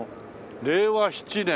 「令和７年」。